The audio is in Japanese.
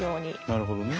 なるほどね。